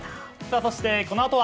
そして、このあとは